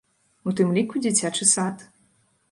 У тым ліку дзіцячы сад.